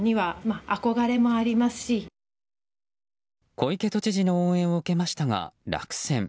小池都知事の応援を受けましたが落選。